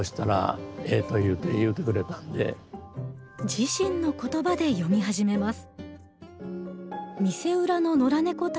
自身の言葉で詠み始めます。